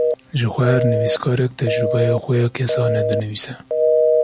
Jixwe her nivîskarek, tecrubeya xwe ya kesane dinivîse